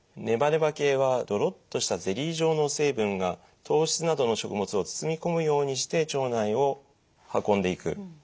ネバネバ系はドロッとしたゼリー状の成分が糖質などの食物を包み込むようにして腸内を運んでいく。